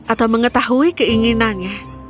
atau mengetahui keinginannya